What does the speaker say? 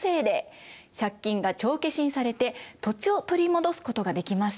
借金が帳消しにされて土地を取り戻すことができました。